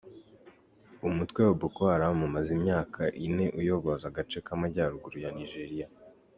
Umutwe wa Boko Haram umaze imyaka ine uyogoza agace k’Amajyaruguru ya Nigeria.